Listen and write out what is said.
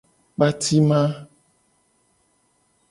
Kpatima.